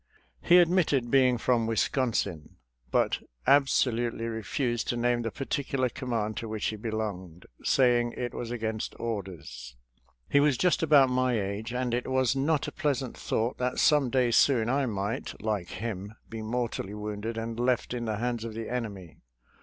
He admitted being from Wis consin, but absolutely refused to name the par ticular command to which he belonged, saying it was against orders. He was just about my age, and it was not a pleasant thought that some day soon I might, like him, be mortally wounded and left in the hands of the enemv.